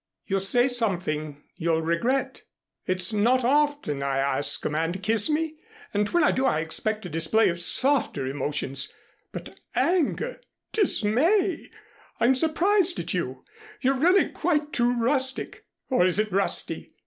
You'll say something you'll regret. It's not often I ask a man to kiss me, and when I do I expect a display of softer emotions. But anger dismay! I'm surprised at you. You're really quite too rustic, or is it rusty?